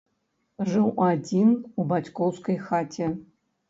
Жыў адзін у бацькоўскай хаце.